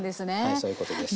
そういうことです。